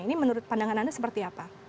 ini menurut pandangan anda seperti apa